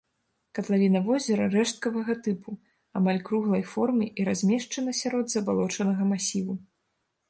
Катлавіна возера рэшткавага тыпу, амаль круглай формы і размешчана сярод забалочанага масіву.